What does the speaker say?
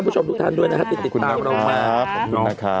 มาแล้วนะคะก็ยินดีกับทีมงานด้วยนะคะ